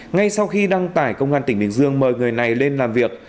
ngay sau khi đăng tải công an tỉnh bình dương mời người này lên làm việc